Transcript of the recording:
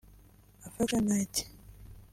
Affection night